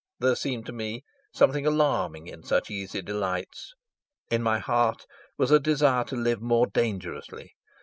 There seemed to me something alarming in such easy delights. In my heart was a desire to live more dangerously.